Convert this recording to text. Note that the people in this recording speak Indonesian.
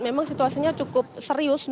memang situasinya cukup serius